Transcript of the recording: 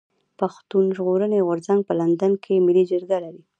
پښتون ژغورني غورځنګ په لندن کي ملي جرګه لري.